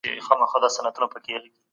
دوراني پانګه په بازار کي ویشل کیږي.